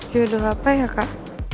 jodoh apa ya kak